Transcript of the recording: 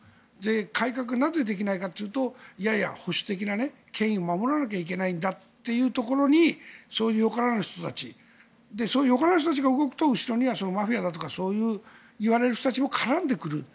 改革がなぜできないかというと保守的な権威を守らなければいけないというところに良からぬ人たちそういう人たちが動くと後ろにはマフィアといわれる人たちも絡んでくると。